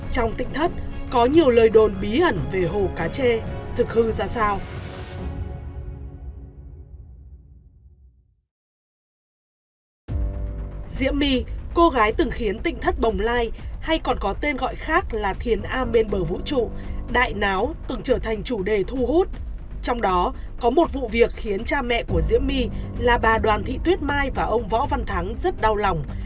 trong tịnh thất có nhiều lời đồn bí ẩn về hồ cá chê thực hư ra sao